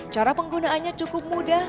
cara penggunaannya cukup mudah